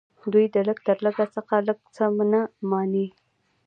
دوی د لږ تر لږه څخه لږ څه نه مني